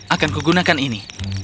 akanku gunakan ini